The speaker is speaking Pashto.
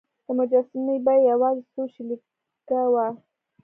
د مجسمې بیه یوازې څو شیلینګه وه.